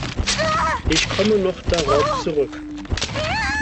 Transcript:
Ich komme noch darauf zurück.